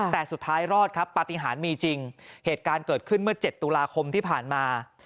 แต่สุดท้ายรอดครับปฏิหารมีจริงเหตุการณ์เกิดขึ้นเมื่อ๗ตุลาคมที่ผ่านมา